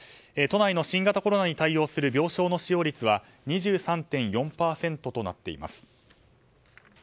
都内の新型コロナに対応する病床の使用率は２３．４％となっています。